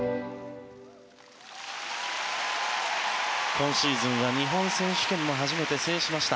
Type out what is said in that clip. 今シーズンは日本選手権も初めて制しました。